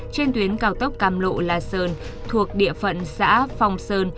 trên tuyến cao tốc cam lộ la sơn thuộc địa phận xã phong sơn